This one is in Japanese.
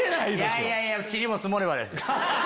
いやいやちりも積もればです。